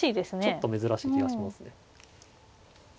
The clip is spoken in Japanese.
ちょっと珍しい気がしますね。